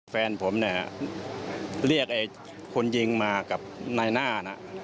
แฟนผมเรียกคนยิงมากับนายหน้า